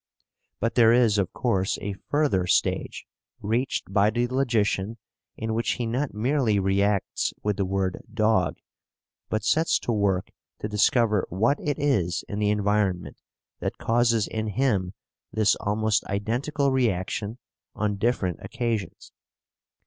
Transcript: But there is, of course, a further stage reached by the logician in which he not merely reacts with the word "dog," but sets to work to discover what it is in the environment that causes in him this almost identical reaction on different occasions.